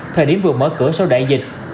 thời điểm vừa mở cửa sau đại dịch